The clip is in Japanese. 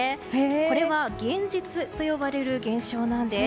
これは幻日と呼ばれる現象なんです。